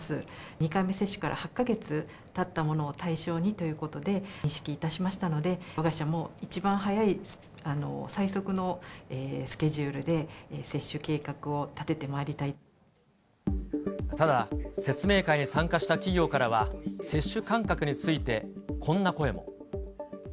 ２回目接種から８か月たった者を対象にということで認識いたしましたので、わが社も一番早い最速のスケジュールで、ただ、説明会に参加した企業からは、接種間隔について、こんな声も。